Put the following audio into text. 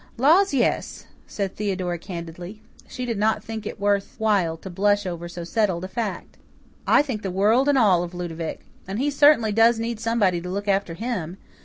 "Laws, yes," said Theodora candidly. She did not think it worth while to blush over so settled a fact. "I think the world and all of Ludovic. And he certainly does need somebody to look after HIM.